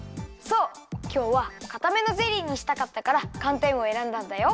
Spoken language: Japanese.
きょうはかためのゼリーにしたかったからかんてんをえらんだんだよ。